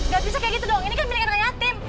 gak bisa kayak gitu dong ini kan milik anak yatim